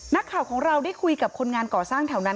นักข่าวของเราได้คุยกับคนงานก่อสร้างแถวนั้น